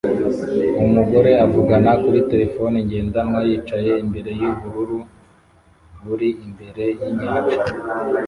Umugore avugana kuri terefone ngendanwa yicaye imbere yubururu buri imbere yinyanja